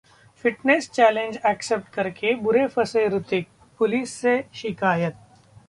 fitness challenge accept करके बुरे फंसे ऋतिक, पुलिस से शिकायत